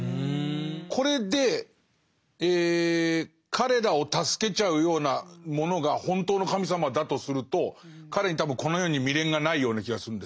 これで彼らを助けちゃうようなものが本当の神様だとすると彼に多分この世に未練がないような気がするんです。